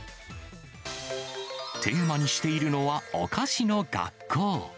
テーマにしているのは、おかしの学校。